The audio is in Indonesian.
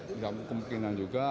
tidak kemungkinan juga